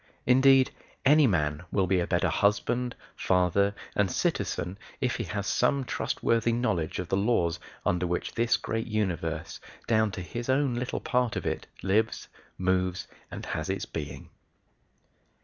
Indeed, any man will be a better husband, father, and citizen, if he has some trustworthy knowledge of the laws under which this great universe, down to his own little part of it, lives, moves, and has its being.